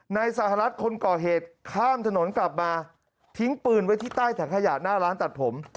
นายสหรัฐคนก่อเหตุข้ามถนนกลับมาทิ้งปืนไว้ที่ใต้ถังขยะหน้าร้านตัดผม